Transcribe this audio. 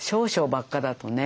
ばっかだとね。